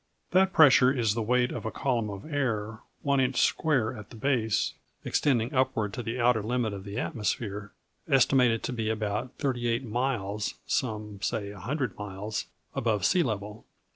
That pressure is the weight of a column of air one inch square at the base, extending upward to the outer limit of the atmosphere estimated to be about 38 miles (some say 100 miles) above sea level.